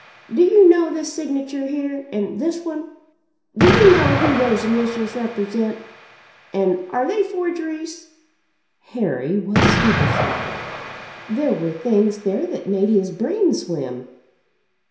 Do you know this signature here? and this one? Do you know who those initials represent and are they forgeries?" Harry was stupefied. There were things there that made his brain swim.